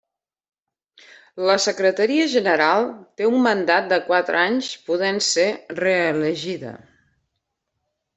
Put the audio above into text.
La Secretaria General té un mandat de quatre anys, podent ser reelegida.